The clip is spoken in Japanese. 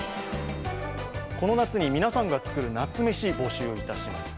この夏に皆さんが作る夏メシ募集いたします。